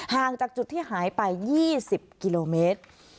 ห่างจากจุดที่หายไป๒๐กิโลเมตร